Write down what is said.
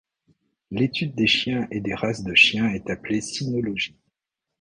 L'étude des chiens et des races de chiens est appelée cynologie.